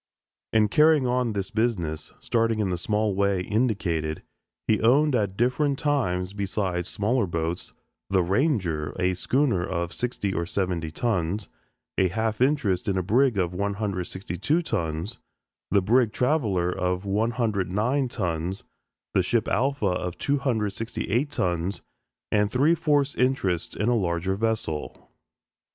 In carrying on this business, starting in the small way indicated, he owned at different times besides smaller boats, "The Ranger," a schooner of sixty or seventy tons, a half interest in a brig of 162 tons, the brig "Traveller," of 109 tons, the ship "Alpha," of 268 tons and three fourths interest in a larger vessel.